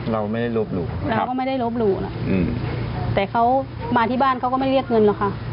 เราไม่ได้ลบหลู่เราก็ไม่ได้ลบหลู่นะแต่เขามาที่บ้านเขาก็ไม่เรียกเงินหรอกค่ะ